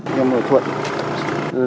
nhà bác ở phượng